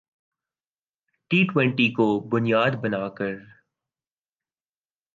T twenty کو بنیاد بنا کر